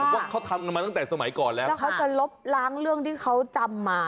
ว่าเขาทำกันมาตั้งแต่สมัยก่อนแล้วแล้วเขาจะลบล้างเรื่องที่เขาจำมา